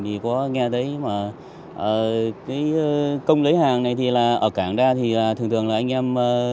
thì có nghe thấy mà cái công lấy hàng này thì là ở cảng ra thì thường thường là anh em